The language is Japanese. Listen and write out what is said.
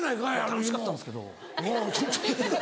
楽しかったんですけど。